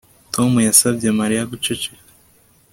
Tom yasabye Mariya guceceka